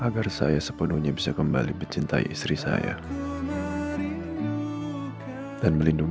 karena ketika kamu pulang